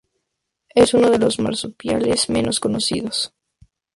Es uno de los marsupiales menos conocidos.